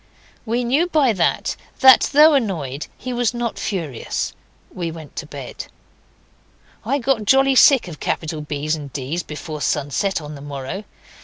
We knew by that that, though annoyed, he was not furious; we went to bed. I got jolly sick of capital B's and D's before sunset on the morrow.